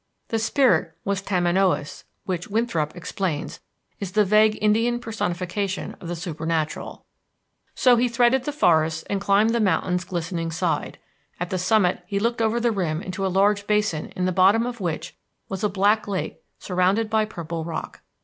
The spirit was Tamanoüs, which, Winthrop explains, is the vague Indian personification of the supernatural. So he threaded the forests and climbed the mountain's glistening side. At the summit he looked over the rim into a large basin in the bottom of which was a black lake surrounded by purple rock.